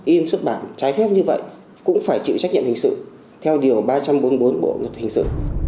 in xuất bản trái phép như vậy cũng phải chịu trách nhiệm hình sự theo điều ba trăm bốn mươi bốn bộ luật hình sự